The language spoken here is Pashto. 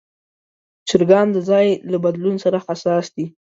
چرګان د ځای له بدلون سره حساس دي.